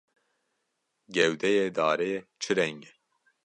Gewdeyê darê çi reng e?